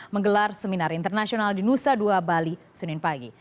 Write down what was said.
menggelar seminar internasional di nusa dua bali senin pagi